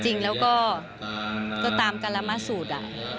จริงแล้วก็ตามการละมสูตร